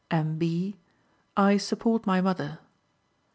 M. B.: "I support my mother."